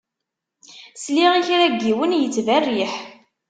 Sliɣ i kra n yiwen yettberriḥ.